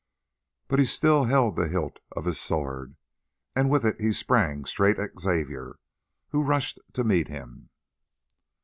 But he still held the hilt of his sword, and with it he sprang straight at Xavier, who rushed to meet him.